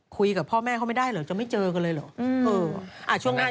คุยกับพ่อแม่เขาไม่ได้เหรอจะไม่เจอกันเลยเหรอช่วงหน้า